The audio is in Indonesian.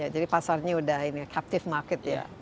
jadi pasarnya sudah ini captive market ya